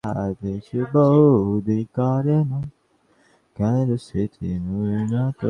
ঠাকুরপো, ঘরে এসো তোমরা।